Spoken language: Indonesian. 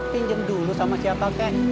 pinjam dulu sama si atletnya